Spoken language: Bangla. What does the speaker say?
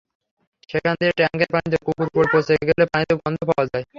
সেখান দিয়ে ট্যাংকের পানিতে কুকুর পড়ে পচে গেলে পানিতে গন্ধ পাওয়া যায়।